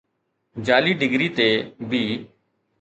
جعلي ڊگري تي بي